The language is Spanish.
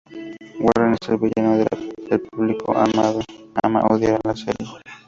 Warren es el villano que el público ama odiar en la serie.